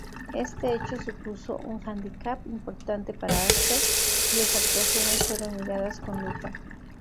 Este hecho supuso un handicap importante para Asper, cuyas actuaciones fueron miradas con lupa.